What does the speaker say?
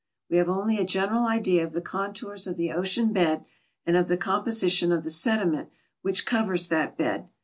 We have only a general idea of the contours of the ocean bed, and of the composition of the sediment which covers that bed.